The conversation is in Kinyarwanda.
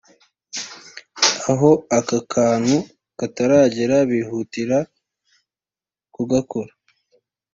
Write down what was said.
aho aka kantu kataragera bihutire kugakora